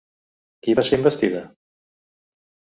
Qui va ser investida?